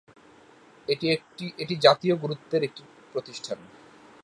এটি জাতীয় গুরুত্বের একটি প্রতিষ্ঠান।